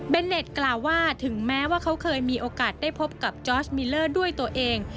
เป็นเน็ตกล่าวว่าถึงแม้ว่าเขาเคยมีโอกาสได้พบกับจอร์สมิลเลอร์ด้วยตัวเอง